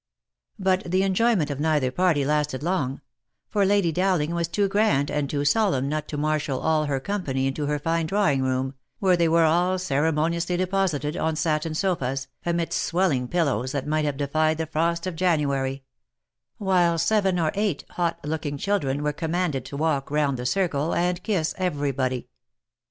But the enjoyment of neither party lasted long; for Lady Dowling was too grand and too solemn not to marshal all her company into her fine drawing room, where they were all ceremoniously deposited on satin sofas, amidst swelling pillows that might have defied the frosts of January ; while seven or eight hot looking children were commanded to walk round the circle and kiss every body.